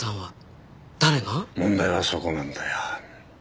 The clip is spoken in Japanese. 問題はそこなんだよ